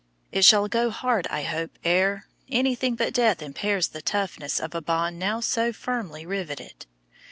It shall go hard I hope ere anything but death impairs the toughness of a bond now so firmly riveted.